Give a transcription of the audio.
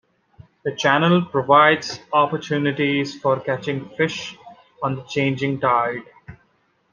The channel provides opportunities for catching fish on the changing tide.